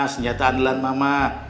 senjata andelan mama